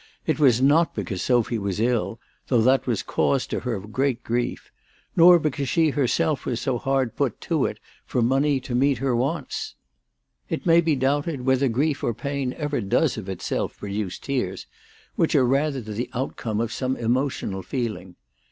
It was not because Sophy was ill, though that was cause to her of great grief ; nor because she herself was so hard put to it for money to meet her wants. It may be doubted whether grief or pain ever does of itself pro duce tears, which are rather the outcome of some THE TELEGEAPH GIRL. 299 emotional feeling.